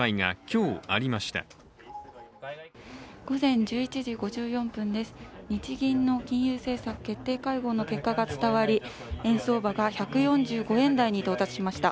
日銀の金融政策決定会合の結果が伝わり円相場が１４５円台に到達しました。